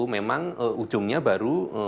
memang ujungnya baru